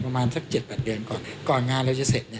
ประมาณสัก๗๘เดือนก่อนก่อนงานเราจะเสร็จ